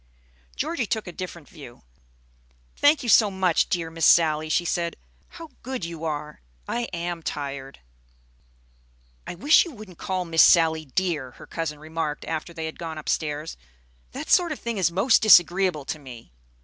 Georgie took a different view. "Thank you so much, dear Miss Sally," she said. "How good you are! I am tired." "I wish you wouldn't call Miss Sally 'dear,'" her cousin remarked after they had gone upstairs. "That sort of thing is most disagreeable to me.